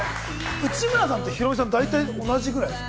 内村さんとヒロミさん、大体同じぐらいですか？